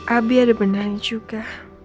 abi ada beneran juga